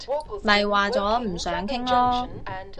咪話咗唔想傾囉